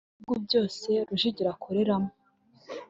Mu bihugu byose Rujugiro akoreramo